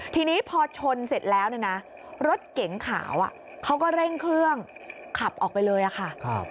ทีนี้พอชนเสร็จแล้วเนี่ยนะรถเก๋งขาวเขาก็เร่งเครื่องขับออกไปเลยค่ะ